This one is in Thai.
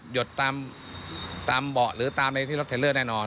หยุดตามเบาะหรือตามอะไรที่รถเทลเลอร์แน่นอน